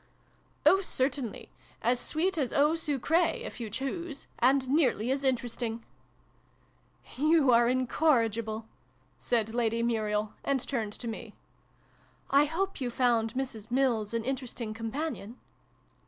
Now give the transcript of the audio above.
" Oh, certainly. As sweet as eau sucrfa, if you choose and nearly as interesting !"" You are incorrigible !" said Lady Muriel, and turned to me. " I hope you found Mrs. Mills an interesting companion